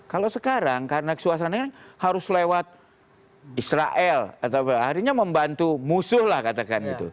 kalau sekarang karena suasananya harus lewat israel atau harinya membantu musuh lah katakan gitu